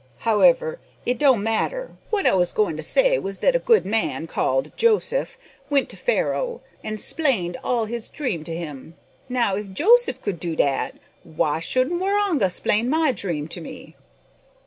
However, it don't matter. What I was goin' to say was that a good man, called Joseph, went to Fair ho an' 'splained all his dream to him. Now, if Joseph could do dat, why shouldn't Waroonga 'splain my dream to me?"